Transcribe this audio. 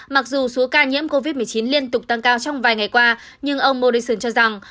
mặc dù số ca nhiễm covid một mươi chín liên tục tăng cao trong vài ngày qua nhưng ông morrison cho rằng